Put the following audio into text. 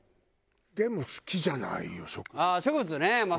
でも好きじゃないよ植物。